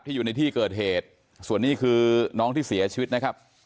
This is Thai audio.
อยู่ในที่เกิดเหตุส่วนนี้คือน้องที่เสียชีวิตนะครับ